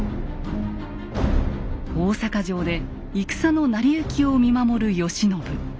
大坂城で戦の成り行きを見守る慶喜。